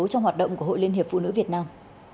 trong hoạt động của hội liên hiệp phụ nữ việt nam